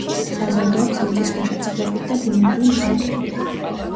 საზრდოობს მიწისქვეშა წყლებით და ბუნებრივი ნალექებით.